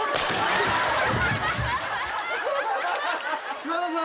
柴田さん。